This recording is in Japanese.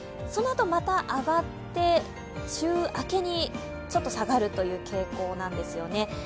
そのあと、また上がって週明けにちょっと下がるという傾向なんですよね。